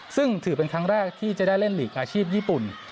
ซึ่งถือเป็นครั้งแรกที่จะได้เล่นหลีกอาชีพญี่ปุ่น